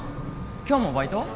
今日もバイト？